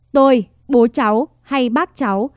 tôi bố cháu hay bác cháu